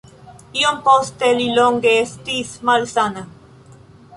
Iom poste li longe estis malsana.